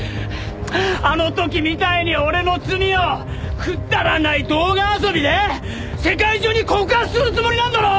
あの時みたいに俺の罪をくだらない動画遊びで世界中に告発するつもりなんだろ！